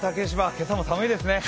今朝も寒いですね